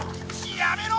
やめろ！